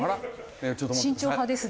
慎重派ですね。